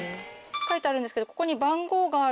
書いてあるんですけど。